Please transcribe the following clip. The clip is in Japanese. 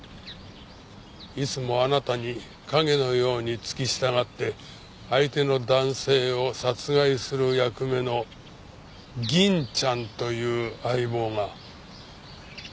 いつもあなたに影のように付き従って相手の男性を殺害する役目の「銀ちゃん」という相棒が。